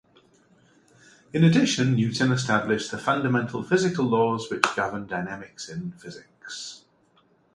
In addition, Newton established the fundamental physical laws which govern dynamics in physics.